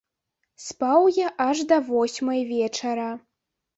Спаў я аж да восьмай вечара.